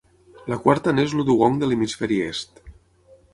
La quarta n'és el dugong de l'hemisferi est.